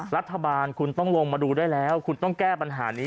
รัฐบาลคุณต้องลงมาดูได้แล้วคุณต้องแก้ปัญหานี้